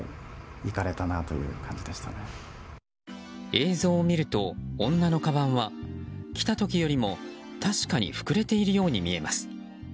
映像を見ると女のかばんは来た時よりも確かに膨れているように見えます。